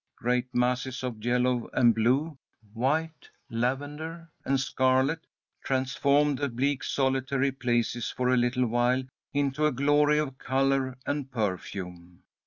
Great masses of yellow and blue, white, lavender, and scarlet transformed the bleak solitary places for a little while into a glory of colour and perfume.